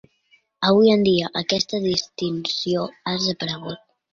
Avui en dia, aquesta distinció ha desaparegut.